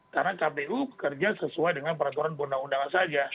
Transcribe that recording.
karena kpu kerja sesuai dengan peraturan undang undangan saja